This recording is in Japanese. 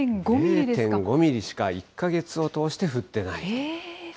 ０．５ミリしか、１か月を通して降ってないと。